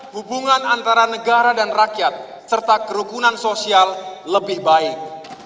hubungan antara negara dan rakyat serta kerukunan sosial lebih baik